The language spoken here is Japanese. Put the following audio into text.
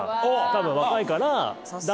多分若いから。